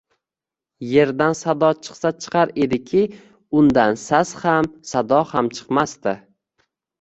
Yerdan sado chiqsa chiqar ediki, undan sas ham, sado ham chiqmasdi